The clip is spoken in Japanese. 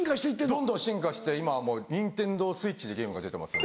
どんどん進化して今はもうＮｉｎｔｅｎｄｏＳｗｉｔｃｈでゲームが出てます。